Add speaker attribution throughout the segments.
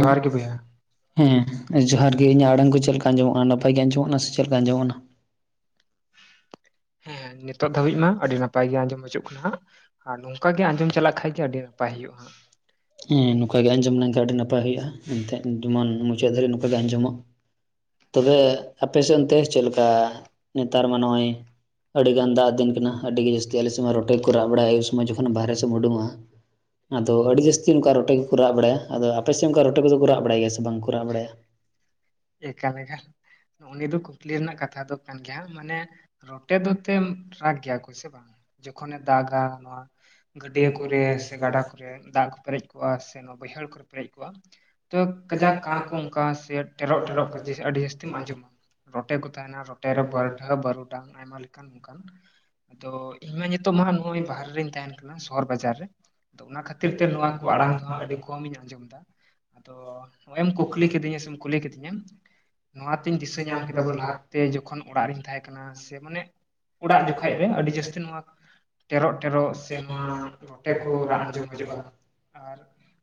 Speaker 1: ᱡᱚᱦᱟᱨ ᱜᱮ ᱵᱚᱭᱦᱟ
Speaker 2: ᱦᱮᱸ ᱡᱚᱦᱟᱨ ᱜᱮ ᱤᱧᱟᱹᱜ ᱟᱲᱟᱝ ᱠᱚ ᱪᱮᱫᱞᱮᱠᱟ ᱟᱸᱡᱚᱢᱚᱜᱼᱟ ᱱᱟᱯᱟᱭ ᱜᱮ ᱟᱸᱡᱚᱢᱼᱟ ᱥᱮ ᱪᱮᱫ ᱞᱮᱠᱟ ᱟᱸᱡᱚᱢᱚᱜ ᱠᱟᱱᱟ?
Speaker 1: ᱦᱮᱸ ᱱᱤᱛᱚᱜ ᱫᱷᱟᱹᱵᱤᱡ ᱢᱟ ᱟᱹᱰᱤ ᱱᱟᱯᱟᱭ ᱜᱮ ᱟᱸᱡᱚᱢ ᱦᱚᱪᱚᱜ ᱠᱟᱱᱟ ᱦᱟᱸᱜ ᱾ ᱟᱨ ᱱᱚᱝᱠᱟ ᱜᱮ ᱟᱸᱡᱚᱢ ᱪᱟᱞᱟᱜ ᱠᱷᱟᱱᱜ ᱜᱮ ᱟᱹᱰᱤ ᱱᱟᱯᱟᱭ ᱦᱩᱭᱩᱜᱼᱟ ᱾
Speaker 2: ᱦᱮᱸ ᱱᱚᱝᱠᱟ ᱜᱮ ᱟᱸᱡᱚᱢ ᱞᱮᱱᱠᱷᱟᱱ ᱟᱹᱰᱤ ᱱᱟᱯᱟᱭ ᱦᱩᱭᱩᱜᱼᱟ᱾ ᱮᱱᱛᱮᱜ ᱡᱮᱢᱚᱱ ᱢᱩᱪᱟᱹᱫ ᱫᱷᱵᱤᱡ ᱱᱚᱝᱠᱟ ᱜᱮ ᱟᱸᱡᱚᱢᱚᱜ ᱾
Speaker 1: [inaudible]
Speaker 2: ᱛᱚᱵᱮ ᱟᱯᱮᱥᱮᱫ ᱚᱱᱛᱮ ᱪᱮᱫᱮᱠᱟ ᱱᱮᱛᱟᱨ ᱢᱟ ᱱᱚᱜᱼᱚᱭ ᱟᱹᱰᱤᱜᱟᱱ ᱫᱟᱜ ᱫᱤᱱ ᱠᱟᱱᱟ ᱟᱹᱰᱤ ᱜᱮ ᱡᱟᱹᱥᱛᱤ ᱟᱞᱮ ᱥᱚᱢᱚᱭ ᱨᱮ ᱨᱚᱴᱮ ᱠᱚ ᱨᱟᱜ ᱵᱟᱲᱟᱭᱟ ᱟᱭᱩᱵ ᱥᱚᱢᱚᱭ ᱡᱚᱠᱷᱚᱱ ᱵᱟᱦᱨᱮ ᱥᱮᱫᱢ ᱩᱰᱩᱝᱼᱟ ᱾ ᱟᱫᱚ ᱟᱹᱰᱤ ᱡᱟᱹᱥᱛᱤ ᱚᱱᱠᱟ ᱨᱚᱴᱮ ᱜᱮᱠᱚ ᱨᱟᱜ ᱵᱟᱲᱟᱭᱟ, ᱟᱫᱚ ᱟᱯᱮ ᱥᱮᱫ ᱚᱱᱠᱟ ᱨᱚᱴᱮ ᱠᱚᱫᱚ ᱠᱚ ᱨᱟᱜ ᱵᱟᱲᱟᱭ ᱜᱮᱭᱟ ᱥᱮ ᱵᱟᱝᱠᱚ ᱨᱟᱜ ᱵᱟᱲᱟᱭᱟ?
Speaker 1: [unintelligible] ᱱᱚᱱᱤᱭᱟ ᱫᱚ ᱠᱩᱠᱞᱤ ᱨᱮᱱᱟᱜ ᱠᱟᱛᱷᱟ ᱫᱚ ᱠᱟᱱ ᱜᱮᱭᱟ ᱢᱟᱱᱮ ᱨᱚᱴᱮ ᱫᱚ ᱛᱮᱢ ᱨᱟᱜ ᱜᱮᱭᱟ ᱠᱚ ᱥᱮ ᱵᱟᱝ ᱡᱚᱠᱷᱚᱱᱮ ᱫᱟᱜᱟ ᱱᱚᱣᱟ ᱜᱟᱹᱰᱭᱟᱹ ᱠᱚᱨᱮ, ᱥᱮ ᱜᱟᱰᱟ ᱠᱚᱨᱮ, ᱫᱟᱜ ᱠᱚ ᱯᱮᱨᱮᱡ ᱠᱚᱜᱼᱟ ᱥᱮ ᱱᱚᱣᱟ ᱵᱟᱹᱭᱦᱟᱹᱲ ᱠᱚᱨᱮ ᱯᱮᱨᱮᱡ ᱠᱚᱜᱼᱟ ᱾ ᱛᱚ ᱠᱟᱡᱟᱠ ᱠᱟ ᱠᱚᱸ ᱠᱟ ᱥᱮ ᱴᱷᱮᱨᱚᱜ- ᱴᱷᱮᱨᱚᱜ ᱟᱹᱰᱤ ᱡᱟᱹᱥᱛᱤᱢ ᱟᱸᱡᱚᱢᱟ ᱨᱚᱴᱮ ᱠᱚ ᱛᱟᱦᱮᱱᱟ ᱨᱚᱴᱮ ᱨᱮ ᱵᱟᱨᱰᱻ ᱵᱟᱹᱨᱩᱰᱟᱝ ᱟᱭᱢᱟ ᱞᱮᱠᱟᱱ ᱚᱱᱠᱟᱱ, ᱟᱫᱚ ᱤᱧ ᱢᱟ ᱱᱤᱛᱚᱜ ᱢᱟ ᱱᱚᱜᱼᱚᱭ ᱵᱟᱦᱨᱮ ᱨᱤᱧ ᱛᱟᱦᱮᱱ ᱠᱟᱱᱟ ᱥᱚᱦᱚᱨ ᱵᱟᱡᱟᱨ ᱨᱮ ᱾ ᱟᱫᱚ ᱚᱱᱟ ᱠᱷᱟᱹᱛᱤᱨ ᱛᱮ ᱱᱚᱣᱟ ᱠᱚ ᱟᱲᱟᱝ ᱫᱚ ᱦᱟᱜ ᱟᱹᱰᱤ ᱠᱚᱢ ᱤᱧ ᱟᱸᱡᱚᱢ ᱮᱫᱟ ᱾ ᱟᱫᱚ ᱱᱚᱜᱼᱚᱭ ᱮᱢ ᱠᱩᱠᱞᱤ ᱠᱤᱫᱤᱧᱟ ᱥᱮᱢ ᱠᱩᱞᱤ ᱠᱤᱫᱤᱧᱟ! ᱱᱚᱣᱟᱛᱤᱧ ᱫᱤᱥᱟᱹ ᱧᱟᱢ ᱠᱮᱫᱟ ᱵ ᱞᱟᱦᱟᱛᱮ ᱡᱚᱠᱷᱚᱱ ᱚᱲᱟᱜ ᱨᱤᱧ ᱛᱟᱦᱮᱸ ᱠᱟᱱᱟ ᱥᱮ ᱢᱟᱱᱮ ᱚᱲᱟᱜ ᱡᱚᱠᱷᱮᱡ ᱟᱹᱰᱤ ᱡᱟᱹᱥᱛᱤ ᱱᱚᱣᱟ ᱴᱮᱨᱚᱜ-ᱴᱮᱨᱚᱜ ᱥᱮ ᱱᱚᱣᱟ ᱨᱚᱴᱮ ᱠᱚ ᱨᱟᱜ ᱟᱸᱡᱚᱢ ᱦᱤᱡᱩᱜᱼᱟ ᱾ ᱟᱨ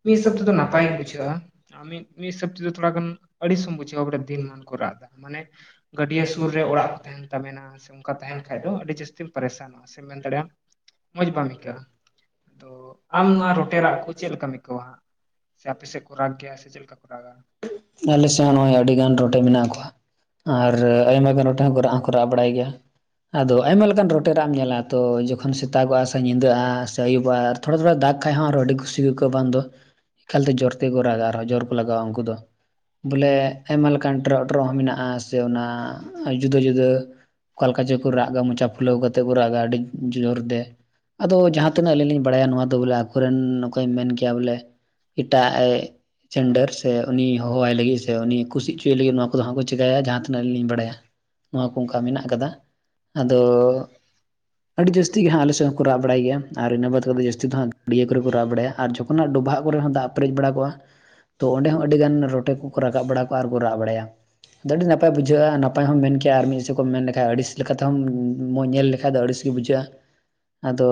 Speaker 1: ᱢᱤᱫ ᱦᱤᱥᱟᱹᱵ ᱛᱮᱫᱚ ᱱᱟᱯᱟᱭ ᱜᱮ ᱵᱩᱡᱷᱟᱹᱜᱼᱟ ᱾ ᱢᱤᱫ ᱦᱤᱥᱟᱹᱵ ᱛᱮᱫᱚ ᱛᱷᱚᱲᱟ ᱜᱟᱱ ᱟᱹᱲᱤᱥ ᱦᱚᱸ ᱵᱩᱡᱷᱟᱹᱜᱼᱟ ᱾ ᱟᱫᱚ ᱵᱚᱴᱮ ᱫᱤᱱ ᱢᱟᱱ ᱠᱚ ᱨᱟᱜ ᱫᱟ ᱢᱟᱱᱮ ᱾ ᱜᱟᱹᱰᱭᱟᱹ ᱥᱩᱨ ᱨᱮ ᱚᱲᱟᱜ ᱠᱩ ᱛᱟᱦᱮᱱ ᱛᱟᱵᱮᱱᱟ ᱥᱮ ᱚᱱᱠᱟ ᱛᱟᱦᱮᱱ ᱠᱷᱟᱡ ᱫᱚ ᱟᱹᱰᱤ ᱡᱟᱹᱥᱛᱤᱢ ᱯᱟᱨᱤᱥᱟᱱᱚᱜᱼᱟ ᱥᱮ‌ ᱢᱮᱱ ᱫᱟᱲᱮᱭᱟᱜ ᱟᱢ ᱢᱚᱡᱽ ᱵᱟᱢ ᱟᱹᱭᱠᱟᱹᱜᱼᱟ, ᱟᱫᱚ ᱟᱢ ᱱᱚᱣᱟ ᱨᱚᱴᱮ ᱨᱟᱜ ᱠᱚ ᱪᱮᱫ ᱞᱮᱠᱟᱢ ᱟᱹᱭᱠᱟᱹᱣᱟ? ᱥᱮ ᱟᱯᱮ ᱥᱮᱫ ᱠᱚ ᱨᱟᱜᱽ ᱜᱮᱭᱟ ᱥᱮ ᱪᱮᱫ ᱞᱮᱠᱟ ᱠᱚ ᱨᱟᱜᱟ?
Speaker 2: ᱟᱞᱮ ᱥᱮᱫ ᱦᱚᱸ ᱱᱚᱜᱼᱚᱭ ᱟᱹᱰᱤ ᱜᱟᱱ ᱨᱚᱴᱮ ᱢᱮᱱᱟᱜ
Speaker 1: [unintelligible]
Speaker 2: ᱠᱚᱣᱟ ᱟᱨ ᱟᱭᱢᱟᱜᱟᱱ ᱨᱚᱴᱮ ᱦᱚᱸ ᱠᱚ ᱨᱟᱜ ᱦᱚᱸᱠᱚ ᱠᱚ ᱨᱟᱜ ᱵᱟᱲᱟᱭ ᱜᱮᱭᱟ᱾ ᱟᱫᱚ ᱟᱭᱢᱟ ᱞᱮᱠᱟᱱ ᱨᱚᱴᱮ ᱨᱟᱜ ᱮᱢ ᱧᱮᱞᱟ ᱛᱚ ᱡᱚᱠᱷᱚᱱ ᱥᱮᱛᱟᱜᱚᱜᱼᱟ ᱥᱮ ᱧᱤᱫᱟᱹᱜᱼᱟ ᱥᱮ ᱟᱹᱩᱵᱟᱜ-ᱟ ᱛᱷᱚᱲᱟ-ᱛᱷᱚᱲᱟ ᱫᱟᱜ ᱠᱷᱟᱡ ᱦᱚᱸ ᱟᱨᱚ ᱟᱹᱰᱤ ᱠᱷᱩᱥᱤ ᱟᱹᱭᱠᱟᱹᱜᱼᱟ ᱵᱟᱝ ᱫᱚ ᱮᱠᱟᱞᱛᱮ ᱡᱳᱨᱛᱮ ᱠᱚ ᱨᱟᱜᱟ ᱟᱨᱦᱚᱸ ᱡᱳᱨ ᱠᱚ ᱞᱟᱜᱟᱣᱟ ᱩᱱᱠᱩ ᱫᱚ ᱵᱚᱞᱮ ᱟᱭᱢᱟ ᱞᱮᱠᱟᱱ ᱴᱨᱚᱜ-ᱴᱨᱚᱜ ᱦᱚᱸ ᱢᱮᱱᱟᱜᱼᱟ᱾ ᱡᱩᱫᱟᱹ-ᱡᱩᱫᱟᱹ ᱚᱠᱟᱞᱮᱠᱟ ᱪᱚ ᱠᱚ ᱨᱟᱜᱟ ᱢᱚᱪᱟ ᱯᱷᱩᱞᱟᱹᱣ ᱠᱟᱛᱮ ᱠᱩ ᱨᱟᱜᱟ ᱟᱹᱰᱤ ᱡᱩᱫᱟᱹ ᱨᱚᱴᱮ, ᱟᱫᱚ ᱡᱟᱦᱟᱸ ᱛᱤᱱᱟᱹᱜ ᱟᱹᱞᱤᱧ ᱞᱤᱧ ᱵᱟᱲᱟᱭᱟ ᱱᱚᱣᱟ ᱫᱚ ᱵᱚᱞᱮ ᱟᱠᱚᱨᱮᱱ ᱱᱚᱠᱟᱧ ᱢᱮᱱ ᱠᱮᱭᱟ ᱵᱚᱞᱮ ᱮᱴᱟᱜᱼ ᱮ ᱪᱮᱱᱰᱟᱹᱨ ᱥᱮ ᱩᱱᱤ ᱦᱚᱦᱚᱣᱟᱭ ᱞᱟᱹᱜᱤᱫ ᱥᱮ ᱩᱱᱤ ᱠᱩᱥᱤ ᱦᱚᱪᱚᱭᱮ ᱞᱟᱹᱜᱤᱫ ᱱᱚᱣᱟ ᱠᱚᱫᱚ ᱦᱟᱸᱜ ᱠᱚ ᱪᱮᱠᱟᱭᱟ ᱡᱟᱦᱟᱸ ᱟᱞᱤᱧ ᱵᱟᱲᱟᱭᱟ ᱱᱚᱣᱟ ᱠᱚ ᱚᱱᱠᱟ ᱢᱮᱱᱟᱜ ᱟᱠᱟᱫᱟ ᱟᱫᱚ ᱟᱹᱰᱤ ᱡᱟᱹᱥᱛᱤ ᱜᱮ ᱦᱟᱸᱜ ᱟᱞᱮ ᱥᱮᱫ ᱦᱚᱸ ᱠᱚ ᱨᱟᱣ ᱵᱟᱲᱟᱭ ᱜᱤᱭᱟ᱾ ᱟᱨ ᱤᱱᱟᱹ ᱵᱟᱫ ᱠᱟᱛᱮᱫ ᱡᱟᱹᱥᱛᱤ ᱫᱚ ᱦᱟᱸᱜ [unintelligible] ᱠᱚᱨᱮ ᱠᱚ ᱨᱟᱜ ᱵᱟᱲᱟᱭᱟ ᱟᱨ ᱡᱚᱠᱷᱚᱱ ᱱᱟᱜ ᱰᱚᱵᱷᱟᱜ ᱠᱚᱨᱮ ᱦᱚᱸ ᱫᱟᱜ ᱯᱮᱨᱮᱡ ᱵᱟᱲᱟ ᱠᱚᱜᱼᱟ ᱛᱚ ᱚᱸᱰᱮ ᱦᱚᱸ ᱟᱹᱰᱤᱜᱟᱱ ᱨᱚᱴᱮ ᱠᱚᱠᱚ ᱨᱟᱠᱟᱵ ᱵᱟᱲᱟ ᱠᱚᱜᱼᱟ ᱟᱨ ᱠᱚ ᱨᱟᱜ ᱵᱟᱲᱟᱭᱟ ᱟᱫᱚ ᱟᱹᱰᱤ ᱱᱟᱯᱟᱭ ᱵᱩᱡᱷᱟᱹᱜᱼᱟ [unintelligible] [unintelligible] ᱱᱟᱯᱟᱭ ᱦᱚᱸᱢ ᱢᱮᱱ ᱠᱮᱭᱟ ᱟᱨ ᱢᱤᱫᱤ ᱥᱮᱫ ᱠᱚᱢ ᱢᱮᱱ ᱞᱮᱠᱷᱟᱡ ᱟᱹᱲᱤᱥ ᱞᱮᱠᱟᱛᱮᱦᱚᱸᱢ [unintelligible] ᱧᱮᱞ ᱞᱮᱠᱷᱟᱡ ᱫᱚ ᱟᱹᱲᱤᱥ ᱜᱮ ᱵᱩᱡᱷᱟᱹᱜᱼᱟ᱾ ᱟᱫᱚ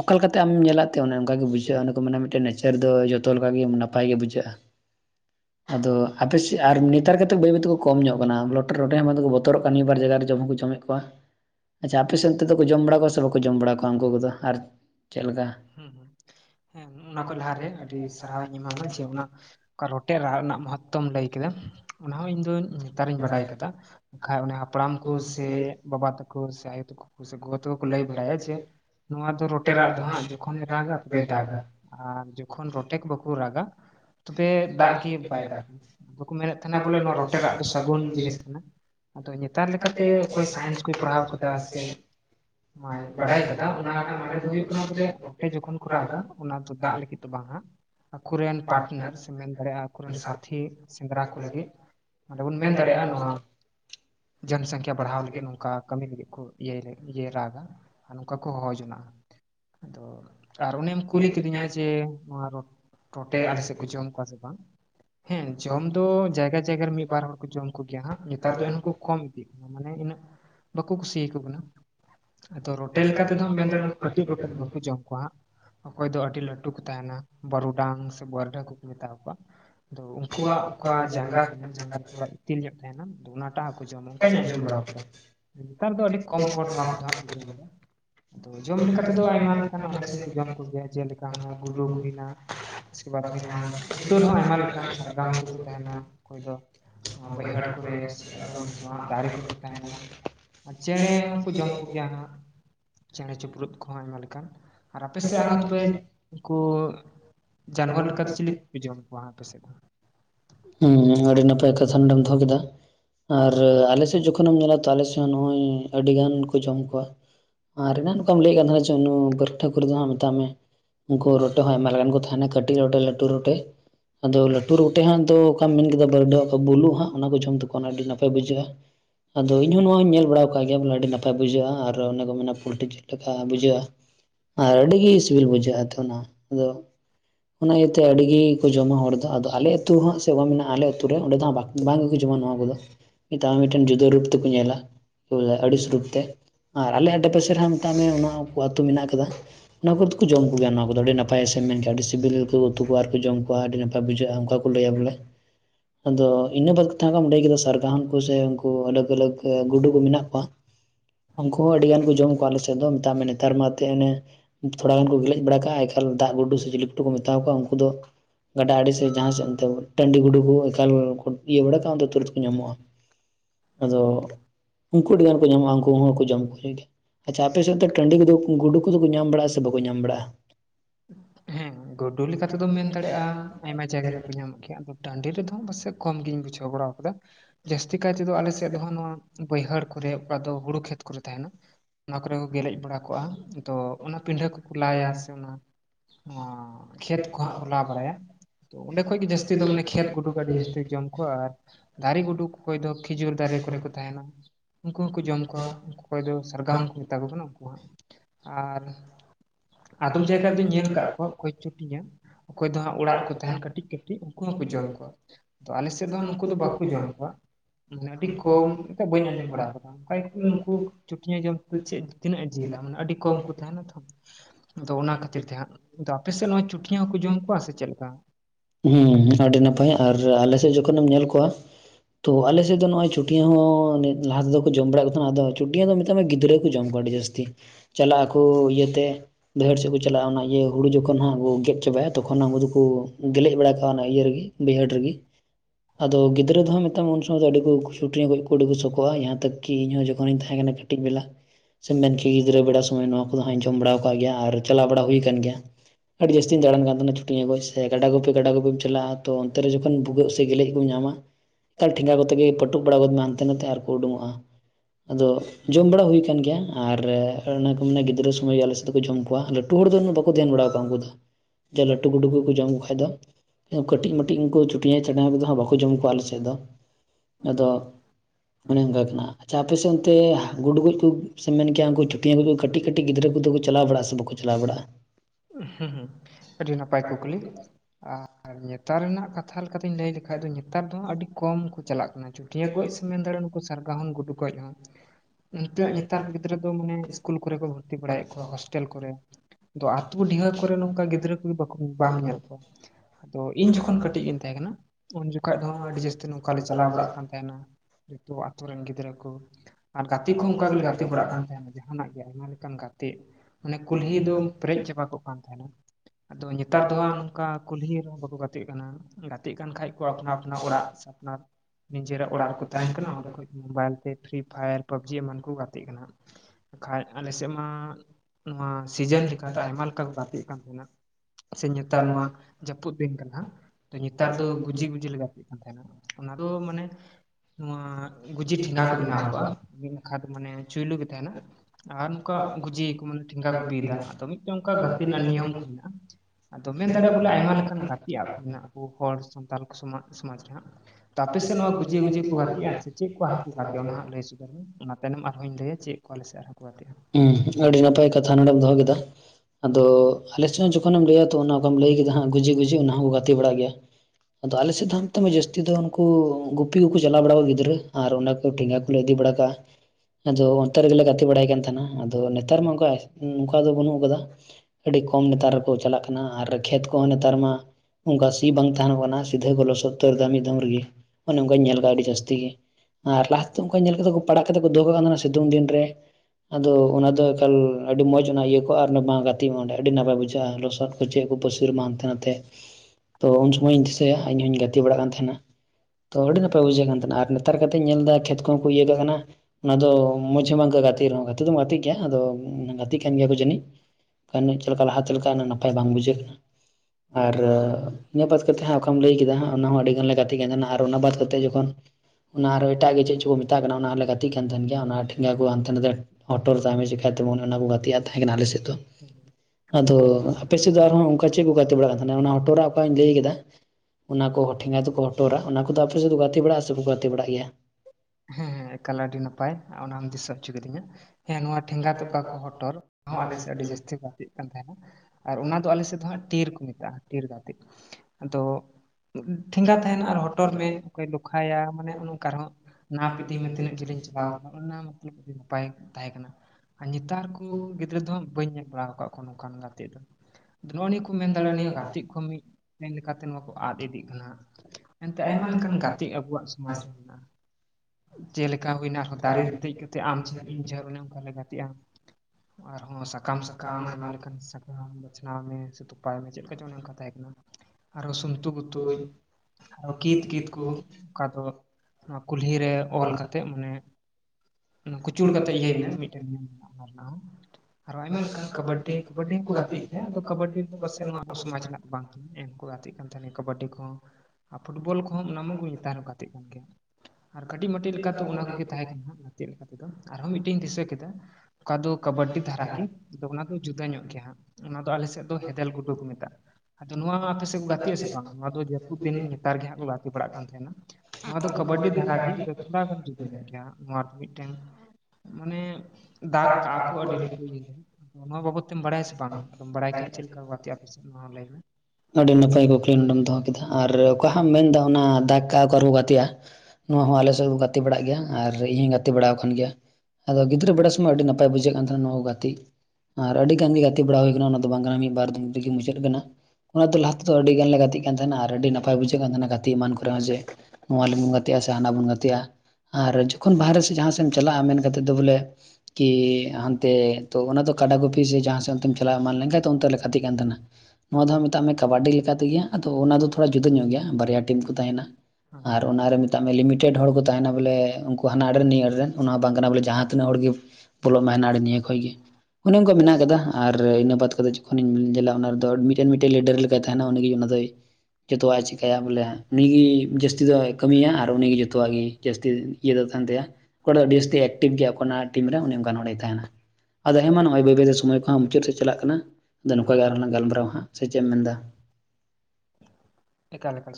Speaker 2: ᱚᱠᱟ ᱞᱮᱠᱟᱛᱮ ᱟᱢᱮᱢ ᱧᱮᱞᱟᱜ ᱛᱮ ᱚᱱᱮ ᱚᱱᱠᱟᱜᱮ ᱵᱩᱡᱷᱟᱹᱜᱼᱟ ᱚᱱᱟ ᱠᱚ ᱢᱮᱱᱟ ᱢᱤᱫᱴᱮᱱ ᱱᱮᱪᱟᱨ ᱫᱚ ᱡᱚᱛᱚ ᱞᱮᱠᱟᱜᱮ ᱱᱟᱯᱟᱭ ᱜᱮ ᱵᱩᱡᱷᱟᱹᱜᱼᱟ᱾
Speaker 1: [inaudible]
Speaker 2: ᱟᱫᱚ ᱟᱯᱮᱥᱮᱫ ᱟᱨ ᱱᱮᱛᱟᱨ ᱠᱟᱛᱮᱫ ᱵᱟᱹᱭ ᱵᱟᱹᱭ ᱛᱮ ᱠᱚᱢ ᱧᱚᱜ [unintelligible] ᱨᱳᱴᱮ ᱦᱚ ᱵᱟᱝ ᱫᱚᱠᱚ ᱵᱚᱛᱚᱨᱚᱜ ᱠᱟᱱᱟ ᱢᱤᱫ ᱵᱟᱨ ᱡᱟᱭᱜᱟ ᱨᱮ ᱡᱚᱢ ᱦᱚᱸᱠᱚ ᱡᱚᱢᱮᱫ ᱠᱚᱣᱟ, ᱟᱪᱷᱟ ᱟᱯᱮ ᱥᱮᱱ ᱛᱮ ᱫᱚ ᱠᱚ ᱡᱚᱢ ᱵᱟᱲᱟ ᱠᱚᱣᱟ ᱥᱮ ᱠᱚ ᱡᱚᱢ ᱵᱟᱲᱟ ᱠᱚᱣᱟ ᱩᱱᱠᱩ ᱠᱚᱫᱚ ᱟᱨ ᱪᱮᱫ ᱞᱮᱠᱟ
Speaker 1: ᱦᱮᱸ ᱦᱮᱸ ᱚᱱᱟ ᱠᱚ ᱞᱟᱦᱟᱨᱮ ᱟᱹᱰᱤ ᱥᱟᱨᱦᱟᱣ ᱤᱧ ᱮᱢᱟᱢᱟ ᱡᱮ ᱚᱱᱟ ᱚᱠᱟ ᱨᱴᱮ ᱨᱟᱜ ᱨᱮᱱᱟᱜ ᱢᱚᱦᱚᱛᱛᱚᱢ ᱞᱟᱹᱭ ᱠᱮᱫᱟ ᱚᱱᱟᱦᱚᱸ ᱤᱧ ᱫᱩᱧ ᱱᱮᱛᱟᱨᱤᱧ ᱵᱟᱰᱟᱭ ᱠᱮᱫᱟ ᱵᱟᱠᱷᱟᱡ ᱦᱟᱯᱲᱟᱢ ᱠᱚ ᱥᱮ ᱵᱟᱵᱟ ᱛᱟᱠᱩ ᱥᱮ ᱟᱭᱳ ᱛᱟᱠᱩ ᱥᱮ ᱜᱚᱜᱚ ᱛᱟᱠᱩ ᱠᱚ ᱞᱟᱹᱭ ᱵᱟᱲᱟᱭᱟ ᱡᱮ ᱱᱚᱣᱟ ᱫᱚ ᱨᱴᱮ ᱨᱟᱜ ᱫᱚ ᱦᱟᱸᱜ ᱠᱷᱚᱱᱮ ᱨᱟᱜᱟ ᱛᱚᱵᱮ ᱫᱟᱜᱟ ᱟᱨ ᱡᱚᱠᱷᱚᱱ ᱨᱚᱴᱮᱠᱩ ᱵᱟᱠᱩ ᱨᱟᱜᱟ ᱛᱚᱵᱮ ᱫᱟᱜ ᱜᱤ ᱵᱟᱭ ᱫᱟᱜᱟ ᱮᱫᱟ ᱟᱫᱚ ᱠᱚ ᱢᱮᱱᱮᱫ ᱛᱟᱦᱮᱱᱟ ᱵᱚᱞᱮ ᱱᱚᱣᱟ ᱨᱚᱴᱮ ᱨᱟᱜ ᱫᱚ ᱥᱟᱹᱜᱩᱱ ᱡᱤᱱᱤᱥ ᱠᱟᱱᱟ᱾ ᱟᱫᱚ ᱱᱮᱛᱟᱨ ᱞᱮᱠᱟᱛᱮ ᱚᱠᱚᱭ ᱥᱟᱭᱮᱱᱥ ᱠᱚᱭ ᱯᱟᱲᱦᱟᱣ ᱠᱟᱫᱟ ᱥᱮ [unintelligible] ᱵᱟᱰᱟᱭ ᱠᱟᱫᱟ ᱚᱱᱟ ᱨᱮᱱᱟᱜ ᱢᱚᱱᱮ ᱫᱚ ᱦᱩᱭᱩᱜ ᱠᱟᱱᱟ ᱵᱚᱞᱮ ᱠᱷᱚᱱ ᱠᱚ ᱨᱟᱜᱟ ᱚᱱᱟ ᱫᱚ ᱫᱟᱜ ᱞᱟᱹᱜᱤᱫ ᱫᱚ ᱵᱟᱝ ᱦᱟᱸᱜ? ᱠᱩᱨᱤᱭᱟᱱ ᱯᱟᱴᱱᱟᱨ ᱥᱮ ᱢᱮᱱ ᱫᱟᱲᱮᱭᱟᱜ ᱟ ᱟᱠᱚᱨᱮᱱ ᱥᱟᱛᱷᱤ ᱥᱮᱸᱫᱽᱨᱟ ᱠᱚ ᱞᱟᱹᱜᱤᱫ ᱚᱱᱰᱮ ᱵᱚᱱ ᱢᱮᱱ ᱫᱟᱲᱮᱭᱟᱜ ᱟ ᱱᱚᱣᱟ ᱡᱚᱱ ᱥᱚᱝᱠᱷᱟ ᱵᱟᱲᱦᱟᱣ ᱞᱟᱹᱜᱤᱫ ᱱᱚᱝᱠᱟ ᱠᱟᱹᱢᱤ ᱞᱟᱹᱜᱤᱫ ᱠᱳ ᱤᱭᱟᱹ ᱤᱭᱟᱹ ᱨᱟᱜᱟ ᱟᱨ ᱱᱚᱝᱠᱟ ᱠᱚ ᱦᱚᱦᱚ ᱡᱚᱱᱟᱜ ᱟ ᱟᱫᱚ ᱟᱨ ᱚᱱᱮᱢ ᱠᱩᱞᱤ ᱠᱤᱫᱤᱧᱟ ᱡᱮ ᱱᱚᱣᱟ ᱴᱚᱴᱮ ᱟᱞᱮ ᱥᱮᱫ ᱠᱚ ᱡᱚᱢ ᱠᱚᱣᱟ ᱥᱮ ᱵᱟᱝ? ᱦᱮᱸ ᱡᱚᱢ ᱫᱚ ᱡᱟᱭᱜᱟ ᱡᱟᱭᱜᱟ ᱨᱮ ᱢᱤᱫ ᱵᱟᱨ ᱦᱚᱲ ᱠᱚ ᱡᱚᱢ ᱠᱚᱜᱮᱭᱟ ᱦᱟᱸᱜ ᱱᱮᱛᱟᱨ ᱫᱚ ᱮᱱᱦᱚᱸ ᱠᱚ ᱠᱚᱢ ᱤᱫᱤᱜ ᱢᱟᱱᱮ ᱤᱱᱟᱹᱜ ᱵᱟᱠᱚ ᱠᱩᱥᱤᱭᱟ ᱠᱚ ᱠᱟᱱᱟ᱾ ᱟᱫᱚ ᱨᱚᱴᱮ ᱞᱮᱠᱟ ᱛᱮᱫᱚᱢ ᱢᱮᱱᱛᱮᱫᱚ ᱠᱟᱹᱴᱤᱡ ᱨᱚᱴᱮ ᱫᱚ ᱵᱟᱠᱚ ᱡᱚᱢ ᱠᱚᱣᱟ ᱦᱟᱸᱜ᱾ ᱚᱠᱚᱭ ᱫᱚ ᱟᱹᱰᱤ ᱞᱟᱹᱴᱩ ᱠᱚ ᱛᱟᱦᱮᱱᱟ ᱵᱟᱹᱨᱩᱰᱟᱝ ᱥᱮ ᱵᱚᱨᱰᱷᱟ ᱠᱚ ᱠᱚ ᱢᱮᱛᱟ ᱠᱚᱣᱟ ᱾ ᱫᱚ ᱩᱱᱠᱩᱣᱟᱜ ᱚᱠᱟ ᱡᱟᱸᱜᱟ ᱠᱚᱨᱮ ᱤᱛᱤᱞ ᱧᱚᱜ ᱛᱟᱦᱮᱱᱟ ᱚᱱᱟᱴᱟᱜ ᱦᱚᱠᱚ ᱡᱚᱢᱟ᱾ ᱚᱱᱠᱟᱧ ᱟᱡᱚᱢ ᱵᱟᱲᱟᱣ ᱠᱟᱫᱟ ᱱᱮᱛᱟᱨ ᱫᱚ ᱟᱹᱰᱤ ᱠᱚᱢ ᱦᱚᱲ ᱱᱚᱣᱟ ᱠᱚᱫᱚ ᱦᱟᱸᱜ ᱡᱚᱢ ᱫᱟ ᱾ ᱡᱚᱢ ᱞᱮᱠᱟ ᱛᱮᱫᱚ ᱟᱭᱢᱟ ᱞᱮᱠᱟᱱᱟᱜ ᱟᱞᱤᱥᱤ ᱠᱚ ᱡᱚᱢ ᱠᱚᱜᱮᱭᱟ ᱡᱮᱞᱮᱠᱟ ᱜᱩᱰᱩ ᱠᱚ ᱦᱩᱭᱮᱱᱟ ᱤᱥᱠᱮ ᱵᱟᱫ ᱦᱩᱭᱱᱟ ᱜᱩᱰᱟᱹ ᱨᱮ ᱦᱚᱸ ᱟᱭᱢᱟ ᱞᱮᱠᱟᱱ ᱥᱟᱨᱜᱟ ᱦᱚᱸ ᱠᱚ ᱛᱟᱦᱮᱱᱟ ᱚᱠᱚᱭ ᱫᱚ ᱱᱚᱣᱟ ᱵᱟᱹᱭᱦᱟᱹᱲ ᱠᱚᱨᱮ ᱥᱮ ᱥᱟᱫᱚᱢ ᱠᱚᱫᱚ ᱦᱟᱸᱜ ᱫᱟᱨᱮ ᱠᱚᱨᱮ ᱠᱚ ᱛᱟᱦᱮᱱᱟ᱾ ᱟᱨ ᱪᱮᱸᱬᱮ ᱦᱚᱸᱠᱚ ᱡᱚᱢ ᱠᱚᱜᱮᱭᱟ ᱦᱟᱸᱜ ᱪᱮᱬᱮ ᱪᱤᱯᱨᱩᱫ ᱠᱚᱦᱚᱸ ᱟᱭᱢᱟ ᱞᱮᱠᱟᱱ ᱟᱨ ᱟᱯᱮ ᱥᱮᱫ ᱦᱚᱸ ᱛᱚᱵᱮ ᱩᱱᱠᱩ ᱡᱟᱱᱣᱟᱨ ᱞᱮᱠᱟᱱ ᱪᱤᱞᱤ ᱠᱚᱯᱮ ᱡᱚᱢ ᱠᱚᱣᱟ ᱟᱯᱮ ᱥᱮᱫ ᱫᱚ?
Speaker 2: ᱦᱩᱸ ᱦᱩᱸᱟᱹᱰᱤ ᱱᱟᱯᱟᱭ ᱠᱟᱛᱷᱟ ᱱᱚᱰᱮᱢ ᱫᱚᱦᱚ ᱠᱮᱫᱟ ᱾ ᱟᱨ ᱟᱞᱮ ᱥᱮᱫ ᱡᱚᱠᱷᱚᱱᱮᱢ ᱧᱮᱞᱟ ᱟᱞᱮ ᱥᱮᱫ ᱦᱚᱸ ᱟᱹᱰᱤ ᱜᱟᱱ ᱠᱚ ᱡᱚᱢ ᱠᱚᱣᱟ᱾ ᱟᱨ ᱮᱱᱟ ᱚᱠᱟᱢ ᱞᱟᱹᱭᱮᱫ ᱠᱟᱱ ᱛᱟᱦᱮᱱᱮ ᱩᱱᱟᱹᱜ ᱜᱚᱨᱴᱷᱟ ᱠᱚᱨᱮ ᱦᱟᱸᱜ ᱢᱮᱛᱟᱜ ᱢᱮ ᱳᱱᱠᱳ ᱨᱚᱴᱮ ᱦᱚᱸ ᱟᱭᱢᱟ ᱞᱮᱠᱟᱱ ᱠᱚ ᱛᱟᱦᱮᱱᱟ ᱠᱟᱹᱴᱤᱡ ᱨᱚᱴᱮ ᱞᱟᱹᱴᱩ ᱨᱚᱴᱮ ᱟᱫᱚ ᱞᱟᱴᱩ ᱨᱚ ᱛᱚ ᱚᱠᱟᱢ ᱢᱮᱱ ᱠᱮᱫᱟ ᱵᱟᱨᱩᱰᱟ ᱦᱟᱜ ᱵᱩᱞᱩ ᱦᱟᱸᱜ ᱚᱱᱟ ᱠᱚ ᱡᱚᱢ ᱛᱟᱠᱚᱣᱟ ᱚᱱᱟ ᱟᱹᱰᱤ ᱱᱟᱯᱟᱭ ᱵᱩᱡᱷᱟᱹᱜ ᱟ ᱾ ᱟᱫᱚ ᱤᱧ ᱦᱚᱸ ᱱᱚᱣᱟᱧ ᱧᱮᱞ ᱵᱟᱲᱟᱣ ᱠᱟᱜ ᱜᱮᱭᱟ ᱵᱚᱞᱮ ᱟᱹᱰᱤ ᱱᱟᱯᱟᱭ ᱵᱩᱡᱷᱟᱹᱜ ᱟ ᱟᱨ ᱚᱱᱮ ᱠᱚ ᱢᱮᱱᱟ ᱯᱩᱞᱴᱤ ᱡᱤᱞ ᱞᱮᱠᱟ ᱵᱩᱡᱷᱟᱹᱜ ᱟ᱾
Speaker 1: [inaudible]
Speaker 2: ᱟᱨ ᱟᱹᱰᱤᱜᱤ ᱥᱤᱵᱤᱞ ᱵᱩᱡᱷᱟᱹᱜ ᱟ ᱛᱚ ᱚᱱᱟ ᱫᱚ᱾ ᱚᱱᱟ ᱤᱭᱟᱛᱮ ᱟᱹᱰᱤᱜᱤ ᱠᱚ ᱡᱚᱢᱟ ᱦᱚᱲ ᱫᱚ ᱟᱫᱚ ᱟᱞᱮ ᱟᱹᱛᱩ ᱦᱟᱸᱜ ᱥᱮ ᱠᱚᱢᱮᱱᱟᱜ ᱟᱞᱮ ᱟᱹᱛᱩ ᱨᱮ ᱚᱱᱰᱮ ᱫᱚ ᱦᱟᱸᱜ ᱵᱟᱝ ᱜᱮᱠᱩ ᱡᱚᱢᱟ ᱱᱚᱣᱟ ᱠᱚᱫᱚ ᱛᱟ ᱢᱤᱫᱴᱮᱱ ᱡᱩᱫᱟᱹ ᱨᱩᱯ ᱛᱮᱠᱚ ᱧᱮᱞᱟ᱾ ᱟᱹᱲᱤᱥ ᱨᱩᱯ ᱛᱮ ᱟᱨ ᱟᱞᱮ ᱟᱰᱮ ᱯᱟᱥᱮ ᱨᱮᱦᱚᱸ ᱢᱤᱫᱴᱟᱝ ᱱᱚᱣᱟ ᱠᱚ ᱟᱹᱛᱩ ᱢᱮᱱᱟᱜ ᱠᱟᱫᱟ᱾ ᱱᱚᱣᱟ ᱠᱚᱫᱚ ᱠᱚ ᱡᱚᱢ ᱠᱚᱜᱭᱟ ᱱᱚᱣᱟ ᱠᱚᱫᱚ ᱟᱹᱰᱤ ᱚᱱᱟ ᱠᱩᱫᱩ ᱠᱩ ᱡᱚᱢ ᱠᱩᱜᱮᱭᱟ ᱱᱟ ᱠᱚᱫᱚ ᱟᱹᱰᱤ ᱱᱟᱯᱟᱭ ᱥᱮᱢ ᱢᱮᱱᱠᱮᱭᱟ ᱟᱹᱰᱤ ᱥᱤᱵᱤᱞ ᱠᱩ ᱩᱛᱩ ᱠᱚᱣᱟ ᱟᱨᱠᱚ ᱡᱚᱢ ᱠᱚᱣᱟ ᱟᱹᱰᱤ ᱱᱟᱯᱟᱭ ᱵᱩᱡᱷᱟᱹᱜ-ᱟ ᱚᱝᱠᱟ [unintelligible] ᱠᱳ ᱞᱟᱹᱭᱟ ᱵᱚᱞᱮ ᱟᱫᱚ ᱤᱱᱟᱹ ᱵᱟᱫᱽ ᱠᱟᱛᱮ ᱵᱟᱢ ᱞᱟᱹᱭ ᱠᱮᱫᱟ ᱥᱟᱨᱜᱟ ᱦᱩᱸᱠᱩ ᱥᱮ ᱩᱝᱠᱩ ᱟᱞᱟᱜᱽ ᱟᱞᱟᱜᱽ ᱜᱩᱰᱩ ᱠᱩ ᱢᱮᱱᱟᱜ ᱠᱚᱣᱟ᱾ ᱩᱝᱠᱩ ᱦᱚᱸ ᱟᱹᱰᱤ ᱜᱟᱱ ᱠᱚ ᱡᱚᱢ ᱠᱚᱣᱟ ᱟᱞᱮ ᱥᱮᱫ ᱫᱚ ᱢᱮᱛᱟᱜ ᱢᱮ ᱱᱮᱛᱟᱨ ᱢᱟ ᱚᱛᱮ ᱮᱱᱮ ᱛᱷᱚᱲᱟ ᱜᱟᱱ ᱠᱚ ᱜᱮᱞᱮᱡ ᱵᱟᱲᱟ ᱠᱟᱜ-ᱟ ᱮᱠᱟᱞ ᱫᱟᱜ ᱜᱩᱰᱩ ᱥᱮ ᱡᱤᱞᱤ ᱜᱩᱴᱩ ᱠᱚ ᱢᱮᱛᱟᱣ ᱠᱚᱣᱟ ᱩᱱᱠᱩ ᱫᱚ ᱾ ᱜᱟᱰᱟ ᱟᱹᱲᱤ ᱥᱮ ᱡᱟᱦᱟᱸ ᱥᱮᱫ ᱾ ᱴᱟᱺᱰᱤ ᱜᱩᱰᱩ ᱠᱚ ᱮᱠᱟᱞ ᱤᱭᱟᱹ ᱵᱟᱲᱟ ᱠᱟᱜ ᱟ ᱟᱫᱚ ᱛᱩᱨᱟᱹᱛ ᱠᱚ ᱧᱟᱢᱚᱜᱟ ᱟᱫᱚ [unintelligible] [inaudible] ᱩᱝᱠᱩ ᱟᱹᱰᱤ ᱜᱟᱱ ᱠᱚ ᱧᱟᱢᱚᱜ-ᱟ ᱩᱝᱠᱩ ᱦᱚᱸᱜ ᱠᱚ ᱡᱚᱢ ᱠᱚᱜᱮᱭᱟ ᱾ ᱟᱪᱷᱟ ᱟᱯᱮ ᱥᱮᱫ ᱫᱚ ᱴᱟᱹᱰᱤ ᱠᱚᱫᱚ ᱜᱩᱰᱩ ᱠᱚᱫᱚ ᱠᱩ ᱧᱟᱢ ᱵᱟᱲᱟᱜ-ᱟ ᱥᱮ ᱵᱟᱠᱩ ᱧᱟᱢ ᱵᱟᱲᱟᱜ-ᱟ?
Speaker 1: ᱦᱮᱸ ᱜᱳᱰᱳ ᱞᱮᱠᱟ ᱛᱮᱫᱚᱢ ᱢᱮᱱ ᱫᱟᱲᱮᱜ ᱟ᱾ ᱟᱭᱢᱟ ᱡᱟᱭᱜᱟ ᱨᱮᱠᱚ ᱧᱟᱢᱚᱜ ᱠᱮᱭᱟ ᱟᱫᱚ ᱴᱟᱺᱰᱤ ᱨᱮᱫᱚ ᱦᱟᱸᱜ ᱯᱟᱥᱮ ᱠᱚᱢ ᱜᱤᱧ ᱵᱩᱡᱷᱟᱹᱣ ᱵᱟᱲᱟᱣ ᱠᱟᱫᱟ᱾ ᱡᱟᱹᱥᱛᱤ ᱠᱟᱭ ᱛᱮᱫᱚ ᱟᱞᱮᱥᱮᱫ ᱫᱚ ᱦᱟᱸᱜ ᱱᱚᱣᱟ ᱵᱟᱹᱭᱦᱟᱹᱲ ᱠᱚᱨᱮ ᱚᱠᱟ ᱫᱚ ᱦᱳᱲᱩ ᱠᱷᱮᱛ ᱠᱚᱨᱮ ᱛᱟᱦᱮᱱᱟ ᱚᱱᱟ ᱠᱚᱨᱮ ᱜᱮ ᱜᱮᱞᱮᱡ ᱵᱟᱲᱟ ᱠᱚᱜ ᱟ᱾ ᱛᱚ ᱚᱱᱟ ᱯᱤᱱᱰᱷᱟᱹ ᱠᱩᱠᱚ ᱞᱟᱭᱟ ᱥᱮ ᱚᱱᱟ ᱱᱚᱣᱟ ᱠᱷᱮᱛ ᱠᱚᱦᱟᱸᱜ ᱠᱚ ᱞᱟ ᱵᱟᱲᱟᱭᱟ᱾ ᱛᱚ ᱚᱸᱰᱮ ᱠᱷᱚᱡ ᱜᱮ ᱡᱟᱹᱥᱛᱤ ᱫᱚ ᱢᱟᱱᱮ ᱠᱷᱮᱛ ᱜᱳᱰᱩ ᱜᱮ ᱟᱹᱰᱤ ᱡᱟᱹᱥᱛᱤ ᱡᱚᱢ ᱠᱚᱣᱟ ᱟᱨ ᱫᱟᱨᱮ ᱜᱳᱰᱩ ᱚᱠᱚᱭ ᱫᱚ ᱠᱷᱤᱡᱩᱨ ᱫᱟᱨᱮ ᱠᱚᱨᱮ ᱠᱚ ᱛᱟᱦᱮᱱᱟ ᱾ ᱩᱝᱠᱩ ᱦᱚᱸᱠᱚ ᱡᱚᱢ ᱠᱚᱣᱟ ᱚᱠᱚᱭ ᱫᱚ ᱥᱟᱨᱜᱟᱢ ᱠᱚ ᱢᱮᱛᱟ ᱠᱚ ᱠᱟᱱᱟ ᱩᱝᱠᱩ ᱦᱟᱸᱜ᱾ ᱟᱨ ᱟᱫᱚᱭ ᱡᱟᱭᱜᱟ ᱫᱚᱧ ᱧᱮᱞ ᱠᱟᱜ ᱠᱚᱣᱟ᱾ ᱚᱠᱚᱭ ᱪᱩᱴᱤᱭᱟᱹ ᱚᱠᱚᱭ ᱫᱚ ᱦᱟᱸᱜ ᱚᱲᱟᱜ ᱨᱮᱠᱚ ᱛᱟᱦᱮᱱ ᱠᱟᱹᱴᱤᱡ ᱠᱟᱹᱴᱤᱡ ᱩᱝᱠᱩ ᱦᱚᱸᱠᱚ ᱡᱚᱢ ᱠᱚᱣᱟ᱾ ᱛᱚ ᱟᱞᱮᱥᱮᱫ ᱫᱚ ᱱᱩᱠᱩ ᱫᱚ ᱵᱟᱠᱚ ᱡᱚᱢ ᱠᱚᱣᱟ᱾ ᱢᱟᱱᱮ ᱟᱹᱰᱤ ᱠᱚᱢ ᱮᱛᱮ ᱵᱟᱹᱧ ᱟᱡᱚᱢ ᱵᱟᱲᱟᱣ ᱠᱟᱫᱟ ᱚᱠᱚᱭᱠᱚ ᱩᱱᱠᱩ ᱪᱩᱴᱟᱹ ᱡᱚᱢ ᱛᱮ ᱪᱮᱜ ᱛᱤᱱᱟᱹᱜ ᱡᱤᱞᱟ ᱢᱟᱱᱮ ᱟᱹᱰᱤ ᱠᱚᱢ ᱠᱩ ᱛᱟᱦᱮᱱᱟ ᱛᱚ ᱟᱫᱚ ᱚᱱᱟ ᱠᱷᱟᱹᱛᱤᱨ ᱛᱮ ᱦᱟᱸᱜ ᱾ ᱟᱯᱮᱥᱮ ᱱᱚᱜᱚᱭ ᱪᱩᱴᱭᱹᱟ ᱦᱚᱸᱠᱚ ᱡᱚᱢ ᱠᱚᱣᱟ ᱥᱮ ᱪᱮᱫ ᱞᱮᱠᱟ?
Speaker 2: ᱦᱩᱸ [unintelligible] ᱟᱨ ᱟᱞᱮ ᱥᱮᱡ ᱡᱚᱠᱷᱚᱱᱮᱢ ᱧᱮᱞ ᱠᱚᱣᱟ ᱛᱚ ᱟᱞᱮᱥᱮᱫ ᱫᱚ ᱱᱚᱜᱚᱭ ᱪᱷᱩᱴᱭᱹ ᱦᱚᱸ ᱞᱟᱦᱟ ᱛᱮᱫᱚ ᱠᱚ ᱡᱚᱢ ᱵᱟᱲᱟᱭᱮᱫ ᱛᱟᱦᱮ ᱫᱚ ᱪᱩᱴᱭᱹ ᱫᱚ ᱢᱮᱛᱟᱢᱟ ᱜᱤᱫᱽᱨᱟᱹ ᱠᱚ ᱡᱚᱢ ᱠᱚᱣᱟ ᱟᱹᱰᱤ ᱡᱟᱹᱥᱛᱤ᱾ ᱪᱟᱞᱟᱜ ᱟᱠᱚ ᱤᱭᱟᱹᱛᱮ ᱵᱟᱹᱭᱦᱟᱹᱲ ᱥᱮ ᱠᱩ ᱪᱟᱞᱟᱜ-ᱟ ᱚᱱᱟ ᱤᱭᱟᱹ ᱦᱩᱲᱩ ᱡᱚᱠᱷᱚᱱ ᱦᱟᱸᱜ ᱠᱚ ᱜᱮᱫ ᱪᱟᱵᱟᱭᱟ ᱛᱚᱠᱷᱚ ᱩᱝᱠᱩ ᱫᱩᱠᱩ ᱜᱮᱞᱮᱡ ᱵᱟᱲᱟ ᱠᱟᱜ-ᱟ ᱚᱱᱟ ᱤᱭᱟᱹ ᱨᱮᱜᱮ ᱵᱟᱹᱭᱦᱟᱹᱲ ᱨᱮᱜᱤ᱾ ᱟᱫᱚ ᱜᱤᱫᱽᱨᱟᱹ ᱫᱚ ᱦᱟᱸᱜ ᱢᱮᱛᱟᱢ ᱩᱱ ᱥᱚᱢᱚᱭ ᱫᱚ ᱟᱹᱰᱤ ᱠᱩ ᱪᱩᱴᱭᱟᱹ ᱜᱚᱡ ᱠᱩ ᱟᱹᱰᱤ ᱠᱩ ᱥᱚᱠᱚᱜᱼᱟ ᱭᱟᱦᱟ ᱛᱟᱠ ᱠᱤ ᱤᱧ ᱦᱚ ᱡᱚᱠᱷᱚᱱᱤᱧ ᱛᱟᱦᱮᱸ ᱠᱟᱱᱟ ᱠᱟᱹᱴᱤᱡ ᱵᱮᱞᱟ᱾
Speaker 1: [inaudible]
Speaker 2: ᱥᱮᱢ ᱢᱮᱱᱠᱤ ᱜᱤᱫᱽᱨᱟᱹ ᱵᱮᱲᱟ ᱥᱚᱢᱚᱭ ᱱᱚᱣᱟ ᱠᱚᱫᱚ ᱦᱟᱸᱜ ᱤᱧ ᱡᱚᱢ ᱵᱟᱲᱟᱣ ᱠᱟᱜ ᱜᱮᱭᱟ᱾ ᱟᱨ ᱪᱟᱞᱟᱣ ᱵᱟᱲᱟ ᱦᱩᱭ ᱠᱟᱱ ᱜᱮᱭᱟ ᱟᱹᱰᱤ ᱡᱟᱹᱥᱛᱤᱧ ᱫᱟᱬᱟᱱ ᱠᱟᱱ ᱛᱷᱮᱱᱟ ᱪᱩᱸ ᱴᱩᱭᱟᱹ ᱜᱚᱡ ᱥᱮ ᱠᱟᱰᱟ ᱜᱯᱤ ᱠᱟᱰᱟ ᱜᱯᱤᱢ ᱪᱟᱞᱟᱜᱼᱟ ᱛᱚ ᱚᱱᱛᱮ ᱨᱮ ᱡᱚᱠᱷᱚᱱ ᱵᱷᱩᱜᱟᱹ ᱥᱮ ᱜᱮᱞᱮᱡ ᱠᱚᱢ ᱧᱟᱢᱟ᱾ ᱠᱟᱞ ᱴᱷᱮᱸᱜᱟ ᱠᱚᱛᱮ ᱜᱮ ᱯᱟᱹᱴᱩᱵ ᱵᱟᱲᱟ ᱜᱚᱫᱽ ᱢᱮ ᱦᱟᱱᱛᱮ ᱱᱟᱛᱮ ᱟᱨᱠᱚ ᱩᱰᱩᱝᱚᱜ-ᱟ᱾ ᱟᱫᱚ ᱡᱚᱢ ᱵᱟᱲᱟ ᱦᱩᱭ ᱠᱟᱱ ᱜᱮᱭᱟ ᱟᱨ ᱚᱱᱟ ᱠᱚ ᱢᱮᱱᱟ ᱜᱤᱫᱽᱨᱟᱹ ᱥᱳᱢᱚᱭ ᱟᱞᱮᱫ ᱫᱚᱠᱚ ᱡᱚᱢ ᱠᱚᱣᱟ, ᱞᱟᱹᱴᱩ ᱦᱚᱲ ᱫᱚ ᱩᱱᱟᱹᱜ ᱵᱟᱠᱚ ᱫᱷᱮᱭᱮᱱ ᱵᱟᱲᱟ ᱟᱠᱚᱣᱟ ᱩᱝᱠᱩ ᱫᱚ ᱡᱮ ᱞᱟᱹᱴᱩ ᱜᱩᱰᱩ ᱠᱩᱠᱩ ᱡᱚᱢ ᱠᱚ ᱠᱷᱟᱡ ᱫᱚ᱾ ᱠᱟᱹᱴᱤᱡ ᱢᱟᱹᱤᱡ ᱩᱝᱠᱩ ᱪᱩᱴᱭᱟᱹ ᱪᱟᱴᱭᱟ ᱠᱚᱫᱚ ᱦᱟᱸᱜ ᱵᱟᱠᱚ ᱡᱚᱢ ᱠᱚᱣᱟ ᱟᱞᱮᱥᱮᱫ ᱫᱚ᱾ ᱟᱫᱚ
Speaker 1: [inaudible]
Speaker 2: ᱟᱪᱷᱟ ᱟᱯᱮᱥᱮᱫ ᱚᱱᱛᱮ ᱜᱩᱰᱩ ᱜᱚᱡ ᱠᱩ ᱥᱮᱢ ᱢᱮᱱ ᱠᱮᱭᱟ ᱩᱝᱠᱩ ᱪᱩᱴᱭᱟᱹ ᱠᱩ ᱠᱟᱹᱴᱤᱡ ᱠᱟᱹᱴᱤᱡ ᱜᱤᱫᱽᱨᱟᱹ ᱠᱩᱫᱩ ᱠᱩ ᱪᱟᱞᱟᱣ ᱵᱟᱲᱟᱜ ᱥᱮ ᱪᱞᱟᱣ ᱵᱟᱲᱟᱜᱼᱟ?
Speaker 1: ᱦᱩᱸ ᱦᱩᱸ, ᱟᱹᱰᱤ ᱱᱟᱯᱟᱭ ᱠᱩᱠᱞᱤ ᱾ ᱟᱨ ᱱᱮᱛᱟᱨ ᱨᱮᱱᱟᱜ ᱠᱟᱛᱷᱟ ᱞᱮᱠᱟᱛᱮᱧ ᱞᱟᱹᱭ ᱞᱮᱠᱷᱟᱡ ᱫᱚ ᱱᱮᱛᱟᱨ ᱫᱚ ᱟᱹᱰᱤ ᱠᱚᱢ ᱠᱚ ᱪᱟᱞᱟᱜ ᱠᱟᱱᱟ ᱪᱷᱩᱴᱭᱟᱹ ᱜᱚᱡ ᱥᱮᱢ ᱢᱮᱱ ᱫᱟᱲᱮᱼᱟ ᱱᱩᱠᱩ ᱥᱟᱨᱜᱟᱦᱚᱱ ᱜᱩᱰᱩ ᱜᱚᱡ ᱦᱚᱸ᱾ ᱱᱤᱛᱚᱭᱜ ᱱᱮᱛᱟᱨ ᱠᱚ ᱜᱤᱫᱽᱨᱟᱹ ᱫᱚ ᱢᱟᱱᱮ ᱤᱥᱠᱩᱞ ᱠᱚᱨᱮ ᱠᱚ ᱵᱷᱚᱨᱛᱤ ᱵᱟᱲᱟᱭᱮᱫ ᱠᱚᱣᱟ ᱦᱳᱥᱴᱮᱞ ᱠᱚᱨᱮ᱾ ᱟᱫᱚ ᱟᱹᱛᱩ ᱰᱤᱦᱟᱹ ᱠᱚᱨᱮ ᱱᱚᱝᱠᱟ ᱜᱤᱫᱽᱨᱟᱹ ᱠᱚᱜᱮ ᱵᱟᱢ ᱧᱮᱞ ᱠᱚᱣᱟ᱾ ᱟᱫᱚ ᱤᱧ ᱡᱚᱠᱷᱚᱱ ᱠᱟᱹᱴᱤᱡ ᱜᱤᱧ ᱛᱟᱦᱮᱸ ᱠᱟᱱᱟ ᱩᱱ ᱡᱚᱠᱷᱚᱱ ᱫᱚᱦᱟᱸ ᱟᱹᱰᱤ ᱡᱟᱹᱥᱛᱤ ᱱᱚ ᱠᱟᱞᱮ ᱪᱟᱞᱟᱣ ᱵᱟᱲᱟᱜ ᱠᱟᱱ ᱛᱟᱦᱮᱱᱟ ᱡᱚᱛᱚ ᱟᱛᱳ ᱨᱮᱱ ᱜᱤᱫᱽᱨᱟᱹ ᱠᱚ᱾ ᱟᱨ ᱜᱟᱛᱮ ᱠᱚᱦᱚᱸ ᱚᱱᱠᱟ ᱜᱮᱞᱮ ᱜᱟᱛᱮ ᱵᱟᱲᱟᱜ ᱠᱟᱱ ᱛᱟᱦᱮᱸᱱᱟ ᱡᱟᱦᱟᱱᱟᱜ ᱜᱮ ᱟᱭᱢᱟ ᱞᱮᱠᱟᱱ ᱜᱟᱛᱮ᱾ ᱢᱚᱱᱮ ᱠᱩᱞᱦᱤ ᱫᱚ ᱯᱮᱨᱮᱡ ᱪᱟᱵᱟ ᱠᱚᱜ ᱠᱟᱱ ᱛᱟᱦᱮᱱᱟ᱾ ᱟᱫᱚ ᱱᱮᱛᱟᱨ ᱫᱚᱦᱟᱸᱜ ᱱᱚᱝᱠᱟ ᱠᱩᱞᱦᱤ ᱨᱮᱦᱚᱸ ᱵᱟᱠᱚ ᱜᱟᱛᱮᱜ ᱠᱟᱱᱟ ᱜᱟᱛᱮᱜ ᱠᱟᱱ ᱠᱷᱟᱡ ᱠᱚ ᱟᱯᱱᱟ ᱟᱯᱱᱟ ᱚᱲᱟᱜ ᱥᱟ [inaudible] ᱱᱤᱡᱮᱨᱟᱜ ᱚᱲᱟᱜ ᱨᱮᱠᱚ ᱛᱟᱦᱮᱱ ᱠᱟᱱᱟ ᱚᱸᱰᱮ ᱠᱷᱚᱡ ᱢᱳᱵᱟᱭᱤᱞ ᱛᱮ ᱯᱷᱨᱤ ᱯᱷᱟᱭᱟᱨ ᱯᱟᱵᱡᱤ ᱮᱢᱟᱱ ᱠᱚ ᱜᱟᱛᱮᱜ ᱠᱟᱱᱟ᱾ ᱟᱠᱷᱟᱡ ᱟᱞᱮ ᱥᱮᱫ ᱢᱟ ᱱᱚᱣᱟ ᱥᱤᱡᱮᱱ ᱞᱮᱠᱟᱛᱮ ᱟᱭᱢᱟ ᱞᱮᱠᱟ ᱠᱚ ᱜᱟᱛᱮᱜ ᱠᱟᱱ ᱛᱟᱦᱮᱱᱟ᱾ ᱥᱮ ᱱᱮᱛᱟᱨ ᱱᱚᱣᱟ ᱡᱟᱹᱯᱩᱫ ᱫᱤᱱ ᱠᱟᱱᱟ ᱱᱮᱛᱟᱨ ᱫᱚ ᱜᱩᱡᱤ ᱜᱩᱡᱤ ᱜᱟᱛᱮᱜ ᱠᱟᱱ ᱛᱟᱦᱮᱱᱟ᱾ ᱚᱱᱟ ᱫᱚ ᱢᱟᱱᱮ ᱱᱚᱣᱟ ᱜᱩᱡᱤ ᱴᱷᱮᱸᱜᱟ ᱠᱚ ᱵᱮᱱᱟᱣ ᱠᱟᱜᱼᱟ ᱢᱤᱫ ᱱᱟᱠᱷᱟ ᱫᱚ ᱢᱟᱱᱮ ᱪᱩᱭᱞᱩ ᱜᱮ ᱛᱟᱦᱮᱱᱟ᱾ ᱟᱨ ᱱᱚᱝᱠᱟ ᱜᱩᱡᱤ ᱠᱚ ᱢᱟᱱᱮ ᱴᱷᱮᱝᱜᱟ ᱠᱚ ᱵᱤᱫᱟ ᱟᱫᱚ ᱢᱤᱫᱴᱮᱱ ᱚᱱᱠᱟ ᱜᱟᱛᱮ ᱨᱮᱱᱟᱜ ᱱᱤᱭᱚᱢ ᱠᱚ ᱢᱮᱱᱟᱜᱼᱟ᱾ ᱟᱫᱚ ᱢᱮᱱ ᱫᱟᱲᱮᱭᱟᱜᱼᱟ ᱵᱚᱞᱮ ᱟᱭᱢᱟ ᱞᱮᱠᱟᱱ ᱜᱟᱛᱮᱜ ᱟᱵᱳᱣᱟ ᱢᱮᱱᱟᱜᱼᱟ᱾ ᱟᱵᱚ ᱦᱚᱲ ᱥᱟᱱᱛᱟᱞ ᱥᱚᱢᱟ ᱥᱚᱢᱟᱡᱽ ᱨᱮᱱᱟᱜ ᱛᱟ ᱟᱯᱮᱥᱮᱫ ᱱᱚᱣᱟ ᱜᱩᱡᱮ ᱜᱩᱡᱮ ᱠᱚ ᱜᱟᱛᱮᱜᱼᱟ ᱥᱮ ᱪᱮᱫ ᱠᱚ ᱟᱨᱦᱚ ᱠᱚ ᱜᱟᱛᱮᱜᱼᱟ ᱚᱱᱟ ᱦᱟᱸᱜ ᱞᱟᱹᱭ ᱥᱚᱫᱚᱨ ᱢᱮ, ᱚᱱᱟ ᱛᱟᱭᱱᱚᱢ ᱟᱨᱦᱚᱸᱧ ᱞᱟᱹᱭᱟ ᱪᱮᱫ ᱠᱚ ᱟᱞᱮ ᱥᱮᱫ ᱟᱨᱦᱚᱸ ᱠᱚ ᱜᱟᱛᱮᱜᱼᱟ᱾
Speaker 2: ᱦᱸ, ᱟᱹᱰᱤ ᱱᱟᱯᱟᱭ ᱠᱟᱛᱷᱟ ᱱᱚᱰᱮᱢ ᱫᱚᱦᱚ ᱠᱮᱫᱟ᱾ ᱟᱫᱚ ᱟᱞᱮᱥᱱᱟᱜ ᱡᱚᱠᱷᱚᱱᱮᱢ ᱞᱟᱹᱭᱟ ᱛᱚ ᱚᱱᱟ ᱟᱫᱚᱢ ᱞᱟᱹᱭᱟ ᱠᱮᱫᱟ ᱦᱟᱜ ᱜᱩᱡᱤ ᱜᱩᱡᱤ ᱚᱱᱟ ᱦᱚᱸᱠᱚ ᱜᱟᱛᱮ ᱵᱟᱲᱟ ᱜᱮᱭᱟ, ᱟᱫᱚ ᱟᱞᱮ ᱥᱮᱫ ᱫᱚ ᱡᱟᱹᱥᱛᱤ ᱫᱚ ᱠᱩ ᱜᱩᱯᱤ ᱠᱚᱠᱚ ᱪᱟᱞᱟᱣ ᱵᱟᱲᱟ ᱠᱚᱣᱟ ᱜᱤᱫᱽᱨᱟᱹ ᱟᱨ ᱚᱱᱟ ᱠᱚ ᱴᱷᱮᱸᱜᱟ ᱠᱚᱞᱮ ᱤᱫᱤ ᱵᱟᱲᱟ ᱠᱟᱜᱼᱟ᱾ ᱟᱫᱚ ᱚᱱᱛᱮ ᱨᱮᱜᱮ ᱞᱮ ᱜᱟᱛᱮ ᱵᱟᱲᱟᱭ ᱠᱟᱱ ᱛᱟᱦᱮᱱᱟ ᱟᱫᱚ ᱱᱮᱛᱟᱨ ᱢᱟ ᱚᱱᱠᱟ ᱚᱱᱠᱟ ᱫᱚ ᱵᱟᱹᱱᱩᱜ ᱠᱟᱫᱟ᱾ ᱟᱹᱰᱤ ᱠᱚᱢ ᱱᱮᱛᱟᱨ ᱠᱚ ᱪᱟᱞᱟᱜ ᱠᱟᱱᱟ ᱟᱨ ᱠᱷᱮᱛ ᱠᱚᱦᱚᱸ ᱱᱮᱛᱟᱨ ᱢᱟ ᱚᱱᱠᱟ ᱥᱤ ᱵᱟᱝ ᱛᱟᱦᱮᱱ ᱠᱟᱱᱟ ᱥᱤᱫᱷᱟᱹ ᱠᱚ ᱞᱚᱥᱚᱫ ᱩᱛᱟᱨ ᱫᱟ ᱢᱤᱫ ᱫᱷᱚᱢ ᱨᱮᱜᱮ᱾ ᱚᱱᱮ ᱚᱱᱠᱟᱧ ᱧᱮᱞ ᱠᱟᱜᱼᱟ ᱟᱰᱤ ᱡᱟᱥᱛᱤ ᱜᱮ ᱟᱨ ᱞᱟᱦᱟ ᱛᱮᱫᱚ ᱚᱱᱠᱟᱧ ᱧᱮᱞ ᱠᱟᱫᱟ ᱯᱟᱲᱟᱜ ᱠᱟᱛᱮ ᱠᱚ ᱫᱚᱦᱚ ᱠᱟᱜ ᱠᱟᱱ ᱛᱟᱦᱮᱱᱟ ᱥᱤᱛᱩᱝ ᱫᱤᱱᱨᱮ᱾ ᱟᱫᱚ ᱚᱱᱟ ᱫᱚ ᱮᱠᱟᱞ ᱟᱹᱰᱤ ᱢᱚᱡᱽ ᱚᱱᱟ ᱤᱭᱟᱹ ᱠᱚ ᱟᱨ ᱢᱟ ᱜᱟᱛᱤ ᱢᱮ ᱚᱸᱰᱮ ᱟᱹᱰᱤ ᱱᱟᱯᱟᱭ ᱵᱩᱡᱷᱟᱹᱜᱼᱟ ᱞᱚᱥᱚᱫ ᱠᱚ ᱪᱮᱫ ᱠᱚ ᱯᱟᱹᱥᱤᱨ‌ ᱟᱢᱟ ᱦᱟᱱᱛᱮ ᱱᱟᱛᱮ᱾ ᱛᱚ ᱩᱱ ᱥᱚᱢᱚᱭ ᱤᱧ ᱫᱤᱥᱟᱹᱭᱟ ᱤᱧ ᱦᱩᱧ ᱜᱟᱛᱮ ᱵᱟᱲᱟ ᱠᱟᱱ ᱛᱟᱦᱮᱸᱱᱟ ᱛᱚ ᱟᱹᱰᱤ ᱱᱟᱯᱟᱭ ᱵᱩᱡᱷᱟᱹᱜ ᱠᱟᱱ ᱛᱟᱦᱮᱸᱱᱟ ᱟᱨ ᱱᱮᱛᱟᱨ ᱠᱟᱛᱮᱧ ᱧᱮᱞᱫᱟ ᱠᱷᱮᱛ ᱠᱚᱦᱚᱸ ᱠᱚ ᱤᱭᱟᱹ ᱠᱟᱜ ᱠᱟᱱᱟ ᱚᱱᱟ ᱫᱚ ᱢᱚᱡᱽ ᱦᱚᱸ ᱵᱟᱝ ᱟᱭᱠᱟᱹ ᱜᱟᱛᱮᱜ ᱨᱮᱦᱚᱸ ᱜᱟᱛᱮ ᱫᱚᱢ ᱜᱟᱛᱮᱜ ᱜᱮᱭᱟ ᱟᱫᱚ ᱜᱟᱛᱮᱜ ᱠᱟᱱ ᱜᱮᱭᱟᱠᱚ ᱡᱟᱹᱱᱤᱡ ᱠᱟᱹᱱᱤ ᱪᱮᱫ ᱞᱮᱠᱟ ᱞᱟᱦᱟᱛᱮ ᱞᱮᱠᱟ ᱚᱱᱟ ᱱᱟᱯᱟᱭ ᱵᱟᱝ ᱵᱩᱡᱷᱟᱹᱜ ᱠᱟᱱᱟ ᱟᱨ ᱤᱱᱟᱹ ᱵᱟᱫ ᱠᱟᱛᱮᱫ ᱦᱟᱹᱜ ᱚᱠᱟᱢ ᱞᱟᱹᱭ ᱠᱮᱫᱟ ᱦᱟᱸᱜ ᱚᱱᱟ ᱦᱚᱸ ᱟᱹᱰᱤ ᱜᱟᱱᱞᱮ ᱜᱟᱛᱮ [unintelligible] ᱟᱨ ᱚᱱᱟ ᱵᱟᱫ ᱠᱟᱛᱮ ᱡᱚᱠᱷᱚᱱ ᱚᱱᱟ ᱨᱮᱦᱚᱸ ᱮᱴᱟᱜ ᱜᱮ ᱪᱮᱫ ᱪᱚ ᱠᱚ ᱢᱮᱛᱟᱜ ᱚᱱᱟ ᱦᱚᱞᱮ ᱜᱟᱛᱮᱜ ᱠᱟᱱ ᱛᱟᱦᱮᱸᱱ ᱜᱮᱭᱟ ᱚᱱᱟ ᱴᱷᱮᱝᱱᱜᱟ ᱠᱚ ᱦᱟᱱᱛᱮ ᱱᱟᱛᱮ ᱦᱚᱴᱚᱨ ᱛᱟᱭᱢᱮ ᱪᱮᱠᱟᱹ ᱛᱮᱵᱚᱱ ᱚᱱᱮ ᱚᱱᱟ ᱜᱟᱛᱮᱜ ᱛᱟᱦᱮᱸ ᱠᱟᱱᱟ ᱟᱞᱮ ᱥᱮᱫ ᱫᱚ ᱟᱫᱚ ᱟᱯᱮ ᱥᱮᱫ ᱫᱚ ᱟᱨᱦᱚᱸ ᱚᱱᱠᱟ ᱪᱮᱫ ᱠᱚ ᱜᱟᱛᱮ ᱵᱟᱲᱟᱜ ᱠᱟᱱ ᱛᱟᱦᱮᱸᱱᱟ ᱚᱱᱟ ᱦᱚᱴᱚᱨᱟᱜ ᱚᱠᱟᱹᱧ ᱞᱟᱹᱭ ᱠᱮᱫᱟ ᱚᱱᱟ ᱠᱚ ᱴᱷᱮᱸᱜᱟ ᱛᱮᱠᱚ ᱦᱚᱴᱚᱨᱟ ᱚᱱᱟ ᱠᱚᱫᱚ ᱟᱯᱮ ᱥᱮᱫ ᱫᱚ ᱜᱟᱛᱮ ᱵᱟᱲᱟᱜᱼᱟ ᱟᱥᱮ ᱜᱟᱛᱮ ᱵᱟᱲᱟᱜ ᱜᱮᱭᱟ
Speaker 1: ᱦᱮᱸ ᱦᱮᱸ ᱮᱠᱟᱞ ᱟᱹᱰᱤ ᱱᱟᱯᱟᱭ ᱚᱱᱟᱢ ᱫᱤᱥᱟᱹ ᱦᱚᱪᱚ ᱠᱤᱫᱤᱧᱟ ᱦᱮᱸ ᱱᱚᱣᱟ ᱴᱷᱮᱸᱜᱟ ᱛᱮᱠᱟ ᱠᱚ ᱦᱚᱴᱚᱨ ᱦᱚᱸ ᱟᱞᱮᱥᱮᱫ ᱟᱹᱰᱤ ᱡᱟᱹᱥᱛᱤ ᱠᱚ ᱜᱟᱛᱮᱜ ᱠᱟᱱ ᱛᱟᱦᱮᱸᱱᱟ ᱟᱨ ᱚᱱᱟ ᱫᱚ ᱟᱞᱮᱥᱮᱫ ᱫᱚ ᱦᱟᱸᱜ ᱛᱤᱨ ᱠᱚ ᱢᱮᱛᱟ ᱛᱤᱨ ᱜᱟᱛᱮ ᱟᱫᱚ ᱴᱷᱮᱸᱜᱟ ᱛᱟᱦᱮᱸᱱᱟ ᱟᱨ ᱦᱚᱴᱚᱨ ᱢᱮ ᱚᱠᱚᱭ ᱞᱚᱠᱷᱟᱭᱟ ᱢᱟᱱᱮ ᱚᱱᱮ ᱚᱱᱠᱟ ᱨᱮᱦᱚᱸ ᱱᱟᱯ ᱤᱫᱤ ᱢᱮ ᱛᱤᱱᱟᱹᱜ ᱡᱷᱟᱹᱞᱤᱧ ᱪᱟᱞᱟᱣ ᱟᱠᱟᱱᱟ ᱚᱱᱟ ᱢᱚᱛᱞᱚᱵ ᱵᱟᱭ ᱛᱟᱦᱮᱸ ᱠᱟᱱᱟ ᱧᱮᱛᱟᱨ ᱠᱚ ᱜᱤᱫᱽᱨᱟᱹ ᱫᱚᱦᱟᱸᱜ ᱵᱟᱹᱧ ᱧᱮᱞ ᱵᱟᱲᱟ ᱣᱟᱠᱟᱫ ᱠᱚᱣᱟ ᱱᱚᱝᱠᱟᱱ ᱜᱟᱛᱮᱜ ᱫᱚ ᱱᱚᱜᱼᱚ ᱱᱤᱭᱟᱹ ᱢᱮᱱ ᱫᱟᱲᱮᱭᱟᱜᱼᱟ ᱱᱤᱭᱟᱹ ᱜᱟᱛᱮᱜ ᱠᱷᱚᱱ ᱢᱤᱫ ᱞᱮᱠᱟᱛᱮ ᱱᱚᱣᱟ ᱠᱚ ᱟᱫ ᱤᱫᱤᱜ ᱠᱟᱱᱟ ᱮᱱᱛᱮ ᱟᱭᱢᱟ ᱞᱮᱠᱟᱱ ᱜᱟᱛᱮᱜ ᱟᱵᱚᱣᱟᱜ ᱥᱚᱢᱟᱡᱽ ᱨᱮ ᱢᱮᱱᱟᱜᱼᱟ ᱡᱮ ᱞᱮᱠᱟ ᱦᱩᱭᱮᱱᱟ ᱟᱨᱦᱚᱸ ᱫᱟᱨᱮ ᱨᱮ ᱫᱮᱡ ᱠᱟᱛᱮᱫ ᱟᱢ ᱤᱧ ᱟᱢ ᱡᱷᱟᱹᱞ ᱤᱧ ᱡᱷᱟᱹᱞ ᱚᱱᱮ ᱚᱱᱠᱟᱞᱮ ᱜᱟᱛᱮᱜᱼᱟ ᱟᱨᱦᱚᱸ ᱥᱟᱠᱟᱢ ᱥᱟᱠᱟᱢ ᱟᱭᱢᱟ ᱞᱮᱠᱟᱱ ᱥᱟᱠᱟᱢ ᱵᱟᱪᱷᱟᱣ ᱢᱮ ᱱᱟᱯᱟᱭ ᱢᱮ ᱪᱮᱫ ᱞᱮᱠᱟ ᱪᱚ ᱚᱱᱮ ᱚᱱᱠᱟ ᱛᱟᱦᱮᱸ ᱠᱟᱱᱟ ᱟᱨᱦᱚᱸ ᱥᱩᱱᱛᱩ ᱜᱩᱛᱩᱡ ᱠᱤᱛ ᱠᱤᱛ ᱠᱩ ᱚᱠᱟ ᱫᱚ ᱠᱩᱞᱦᱤᱨᱮ ᱚᱞ ᱠᱟᱛᱮᱜ ᱢᱟᱱᱮ ᱠᱩᱪᱩᱲ ᱠᱟᱛᱮ ᱤᱭᱟᱹᱭ ᱢᱮ ᱢᱤᱫᱴᱮᱱ [unintelligible] ᱚᱱᱟ ᱨᱮᱱᱟᱜ ᱟᱨᱚ ᱟᱭᱢᱟ ᱞᱮᱠᱟᱱ ᱠᱟᱵᱟᱰᱤ ᱠᱟᱵᱟᱰᱤ ᱦᱚᱸᱠᱚ ᱜᱟᱛᱮᱜ ᱜᱮᱭᱟ ᱟᱫᱚ ᱠᱟᱵᱟᱰᱤ ᱫᱚ ᱯᱟᱥᱮ ᱱᱚᱣᱟ ᱟᱵᱚ ᱥᱚᱢᱟᱡᱽ ᱨᱮᱱᱟᱜ ᱫᱚ ᱵᱟᱝ ᱜᱟᱛᱮᱜ ᱠᱟᱱ ᱛᱟᱦᱮᱸᱱᱟ ᱠᱟᱵᱟᱰᱤ ᱠᱚ ᱟᱨ ᱯᱷᱩᱴᱵᱚᱞ ᱠᱚᱦᱚᱸ ᱚᱱᱟᱢᱜᱮ ᱱᱮᱛᱟᱨ ᱦᱚᱸᱠᱚ ᱜᱟᱛᱮᱜ ᱠᱟᱱ ᱜᱮᱭᱟ ᱟᱨ ᱠᱟᱹᱴᱤᱡ ᱢᱟᱹᱴᱤᱡ ᱞᱮᱠᱟ ᱛᱚ ᱚᱱᱟ ᱠᱚᱜᱮ ᱛᱟᱦᱮᱸ ᱠᱟᱱᱟ ᱟᱨ ᱪᱮᱫ ᱞᱮᱠᱟ ᱛᱮᱫᱚ ᱟᱨᱦᱚᱸ ᱢᱤᱫᱴᱮᱱ ᱤᱧ ᱫᱤᱥᱟᱹ ᱠᱮᱫᱟ ᱚᱠᱟ ᱫᱚ ᱠᱟᱵᱟᱰᱤ ᱫᱷᱟᱨᱟ ᱜᱮ ᱟᱫᱚ ᱚᱱᱟ ᱫᱚ ᱡᱩᱫᱟᱹ ᱧᱚᱜ ᱜᱮᱭᱟ ᱦᱟᱸᱜ ᱚᱱᱟᱫᱚ ᱟᱞᱮᱥᱮᱫ ᱫᱚ ᱦᱮᱫᱮᱞ ᱜᱩᱴ ᱢᱮᱛᱟᱜᱼᱟ ᱟᱫᱚ ᱱᱚᱣᱟ ᱟᱯᱮ ᱥᱮᱫ ᱠᱚ ᱜᱟᱛᱮᱜ ᱟᱥᱮ ᱵᱟᱝ ᱱᱚᱣᱟ ᱫᱚ ᱡᱟᱹᱯᱩᱫ ᱫᱤᱱ ᱧᱮ- ᱛᱟᱨ ᱠᱚ ᱜᱟᱛᱮ ᱯᱟᱲᱟᱜ ᱠᱟᱱ ᱛᱟᱦᱮᱸᱱᱟ ᱱᱚᱣᱟ ᱫᱚ ᱠᱟᱵᱟᱰᱤ ᱫᱷᱟᱨᱟ ᱜᱮ ᱛᱷᱚᱲᱟ ᱜᱟᱱ ᱡᱩᱫᱟᱹ ᱧᱚᱜ ᱜᱮᱭᱟ ᱱᱚᱣᱟ ᱢᱤᱫᱴᱟᱝ ᱢᱟᱱᱮ ᱫᱟᱜᱽ ᱠᱟᱜᱼᱟ ᱠᱚ ᱟᱹᱰᱤ ᱞᱟᱹᱴᱩ ᱤᱭᱟᱹ ᱜᱮ ᱱᱚᱣᱟ ᱵᱟᱵᱚᱛ ᱛᱮᱢ ᱵᱟᱲᱟᱭᱟ ᱥᱮ ᱵᱟᱝ ᱟᱫᱚᱢ ᱵᱟᱲᱟᱭ ᱠᱷᱟᱡ ᱪᱮᱫ ᱞᱮᱠᱟ ᱠᱚ ᱜᱟᱛᱮᱜ ᱟᱯᱤᱥᱮᱫ ᱢᱟ ᱞᱟᱹᱭ ᱢᱮ
Speaker 2: ᱟᱹᱰᱤ ᱱᱟᱯᱟᱭ ᱠᱩᱠᱞᱤ ᱱᱚᱰᱮᱢ ᱫᱚᱦᱚ ᱟᱨ ᱚᱠᱟ ᱦᱟᱢ ᱮᱢ ᱢᱮᱱᱫᱟ ᱚᱱᱟ ᱫᱟᱜ ᱠᱟᱜ ᱟᱠᱚ ᱨᱮᱠᱚ ᱜᱟᱛᱮᱜᱼᱟ ᱱᱚᱣᱟ ᱦᱚᱸ ᱟᱞᱮ ᱥᱮᱫ ᱠᱚ ᱜᱟᱛᱮ ᱵᱟᱲᱟᱜ ᱜᱮᱭᱟ ᱟᱨ ᱤᱧ ᱦᱚᱸᱧ ᱜᱟᱛᱮ ᱵᱟᱲᱟ ᱣᱟᱠᱟᱱ ᱜᱮᱭᱟ ᱟᱫᱚ ᱜᱤᱫᱽᱨᱟᱹ ᱵᱮᱲᱟ ᱥᱚᱢᱚᱭ ᱟᱹᱰᱤ ᱱᱟᱯ - ᱯᱟᱭ ᱵᱩᱡᱷᱟᱹᱜ ᱠᱟᱱ ᱛᱟᱦᱮᱸᱱᱟ ᱱᱚᱣᱟ ᱠᱚ ᱜᱟᱛᱮᱜ ᱟᱨ ᱟᱹᱰᱤ ᱜᱟᱱ ᱜᱮ ᱜᱟᱛᱮ ᱵᱟᱲᱟ ᱦᱩᱭ ᱟᱠᱟᱱᱟ ᱚᱱᱟ ᱫᱚ ᱵᱟᱝ ᱠᱟᱱᱟ ᱢᱤᱫ ᱵᱟᱨ ᱫᱤᱱ ᱨᱮᱜᱮ ᱢᱩᱪᱟᱹᱫ ᱟᱠᱟᱱᱟ ᱚᱱᱟ ᱫᱚ ᱞᱟᱦᱟ ᱛᱮᱫᱚ ᱟᱹᱰᱤ ᱜᱟᱱ ᱞᱮ ᱜᱟᱛᱮᱜ ᱠᱟᱱ ᱛᱟᱦᱮᱱᱟ ᱟᱨ ᱟᱹᱰᱤ ᱱᱟᱯ- ᱯᱟᱭ ᱵᱩᱡᱷᱟᱹᱜ ᱠᱟᱱ ᱛᱟᱦᱮᱸᱱᱟ ᱜᱟᱛᱮᱜ ᱮᱢᱟᱱ ᱠᱚᱨᱮ ᱦᱚᱸ ᱡᱮ ᱱᱚᱣᱟ ᱞᱟᱹᱜᱤᱫ ᱜᱟᱛᱮᱜᱼᱟ ᱥᱮ ᱦᱟᱱᱟ ᱵᱚᱱ ᱜᱟᱛᱮᱜᱼᱟ ᱟᱨ ᱡᱚᱠᱷᱚᱱ ᱵᱟᱦᱨᱮ ᱥᱮᱫ ᱡᱟᱦᱟᱸ ᱥᱮᱢ ᱪᱟᱞᱟᱜᱼᱟ ᱢᱮᱱ ᱠᱟᱛᱮᱫ ᱫᱚ ᱵᱚᱞᱮ ᱠᱤ ᱦᱟᱱᱛᱮ ᱛᱚ ᱚᱱᱟᱫᱚ ᱠᱟᱰᱟ ᱜᱩᱯᱤ ᱥᱮ ᱡᱟᱦᱟᱸ ᱥᱮᱫ ᱚᱱᱛᱮᱢ ᱪᱟᱞᱟᱜᱼᱟ ᱮᱢᱟᱱ ᱞᱮᱱ ᱠᱷᱟᱡ ᱫᱚ ᱚᱱᱛᱮ ᱞᱮ ᱜᱟᱛᱮᱜ ᱠᱟᱱ ᱛᱟᱦᱮᱸᱱᱟ ᱱᱚᱣᱟ ᱫᱚ ᱦᱟᱸᱜ ᱢᱮᱛᱟᱜ ᱢᱮ ᱠᱟᱵᱟᱰᱤ ᱞᱮᱠᱟ ᱛᱮᱜᱮ ᱟᱫᱚ ᱚᱱᱟ ᱫᱚ ᱛᱷᱚᱲᱟ ᱡᱩᱫᱟᱹ ᱧᱚᱜ ᱜᱮᱭᱟ ᱵᱟᱨᱭᱟ ᱴᱤᱢ ᱠᱚ ᱛᱟᱦᱮᱸᱱᱟ ᱟᱨ ᱚᱱᱟᱨᱮ ᱢᱮᱛᱟᱜ ᱢᱮ ᱞᱤᱢᱤᱴᱮᱰ ᱦᱚᱲ ᱠᱚ ᱛᱟᱦᱮᱸᱱᱟ ᱵᱚᱞᱮ ᱩᱱᱠᱩ ᱦᱟᱱᱟ ᱟᱲᱨᱮ ᱱᱤᱭᱟᱹ ᱟᱲᱮᱨᱮᱱ ᱚᱱᱟ ᱦᱚᱸ ᱵᱟᱝ ᱠᱟᱱᱟ ᱵᱚᱞᱮ ᱡᱟᱦᱟᱸ ᱛᱤᱱᱟᱹᱜ ᱦᱚᱲᱜᱮ [unintelligible] ᱚᱱᱮ ᱚᱱᱠᱟ ᱢᱮᱱᱟᱜ ᱟᱠᱟᱫᱟ ᱟᱨ ᱤᱱᱟᱹ ᱵᱟᱫᱽ ᱠᱟᱛᱮᱫ ᱡᱚᱠᱷᱚᱱ ᱤᱧ ᱧᱮᱞᱟ ᱚᱱᱟ ᱨᱮᱫᱚ ᱢᱤᱫᱴᱮᱱ ᱢᱤᱫᱴᱮᱱ ᱞᱤᱰᱟᱹᱨ ᱞᱮᱠᱟᱭ ᱛᱟᱦᱮᱸᱱᱟ ᱩᱱᱤᱜᱮ ᱚᱱᱟᱫᱚᱭ ᱡᱚᱛᱚᱣᱟᱜ ᱮ ᱪᱤᱠᱟᱭᱟ ᱵᱚᱞᱮ ᱩᱱᱤᱜᱮ ᱡᱟᱹᱥᱛᱤ ᱫᱚᱭ ᱠᱟᱹᱢᱤᱭᱟ ᱟᱨ ᱩᱱᱤᱜᱮ ᱡᱚᱛᱚᱣᱟᱜ ᱜᱮ ᱡᱟᱹᱥᱛᱤ ᱤᱭᱟᱹ ᱫᱚ ᱛᱟᱦᱮᱸᱱ ᱛᱟᱭᱟ ᱚᱠᱟᱴᱟᱜ ᱟᱹᱰᱤ ᱡᱟᱹᱥᱛᱤ ᱮᱠᱴᱤᱵ ᱜᱮᱭᱟ ᱴᱤᱢ ᱨᱮ ᱩᱱᱤ ᱚᱱᱠᱟᱱ ᱦᱚᱲ ᱮ ᱛᱟᱦᱮᱸᱱᱟ ᱟᱫᱚ ᱦᱮᱸ ᱢᱟ ᱱᱚᱜᱼᱚᱭ [unintelligible] ᱥᱚᱢᱚᱭ ᱠᱚᱦᱚᱸ ᱢᱩᱪᱟᱹᱫ ᱥᱮᱫ ᱪᱟᱞᱟᱜ ᱠᱟᱱᱟ ᱟᱫᱚ ᱱᱚᱝᱠᱟ ᱜᱮ ᱟᱨᱦᱚᱸᱞᱟᱝ ᱜᱟᱞᱢᱟᱨᱟᱣᱼᱟ ᱦᱟᱸᱜ ᱥᱮ ᱪᱮᱫ ᱮᱢ ᱢᱮᱱ ᱮᱫᱟ
Speaker 1: ᱮᱠᱟᱞ ᱮᱠᱟᱞ